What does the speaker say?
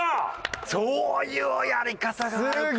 そういうやり方があるか。